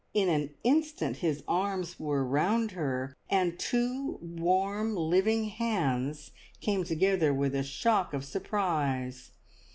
In an instant his arms were round her, and two warm living hands came together with a shock of surprise.